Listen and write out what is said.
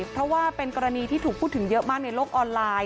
เพราะว่าเป็นกรณีที่ถูกพูดถึงเยอะมากในโลกออนไลน์